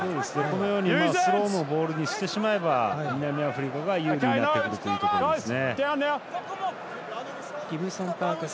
このようにスローのボールにしてしまえば南アフリカが有利になってくるというところですね。